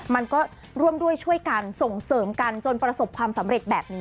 มันก็ร่วมด้วยช่วยกันส่งเสริมกันจนประสบความสำเร็จแบบนี้